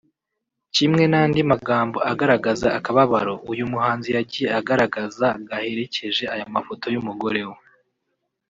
Kimwe n’andi magambo agaragaza akababaro uyu muhanzi yagiye agaragaza gaherekeje aya mafoto y’umugore we